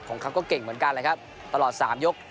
ของเขาก็เก่งเหมือนกันเลยครับตลอด๓ยก